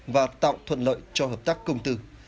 và tạo thuận lợi cho hợp tác công tư